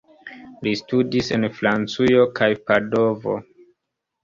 Li studis en Francujo kaj Padovo.